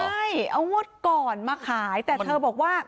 ใช่เอางวดก่อนมาขายแต่เธอบอกว่า